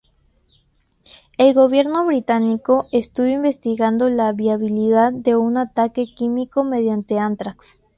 El Gobierno Británico estuvo investigando la viabilidad de un ataque químico mediante ántrax.